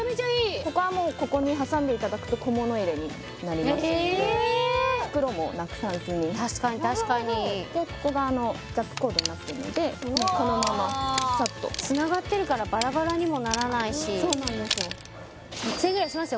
ここはもうここに挟んでいただくと小物入れになりますのでえっ袋もなくさずに確かに確かにここがショックコードになってるのでこのままサッとつながってるからバラバラにもならないし６０００円ぐらいしますよ